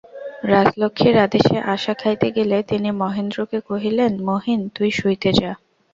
রাজলক্ষ্মীর আদেশে আশা খাইতে গেলে তিনি মহেন্দ্রকে কহিলেন, মহিন, তুই শুইতে যা।